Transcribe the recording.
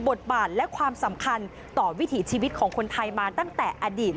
บทบาทและความสำคัญต่อวิถีชีวิตของคนไทยมาตั้งแต่อดีต